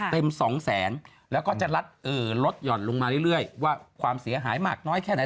สองแสนแล้วก็จะลัดลดหย่อนลงมาเรื่อยว่าความเสียหายมากน้อยแค่ไหน